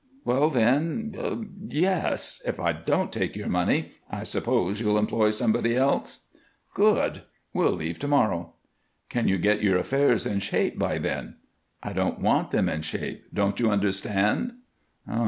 Well then, yes. If I don't take your money, I suppose you'll employ somebody else." "Good! We'll leave to morrow." "Can you get your affairs in shape by then?" "I don't want them in shape. Don't you understand?"